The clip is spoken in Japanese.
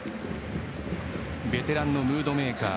ベテランのムードメーカー。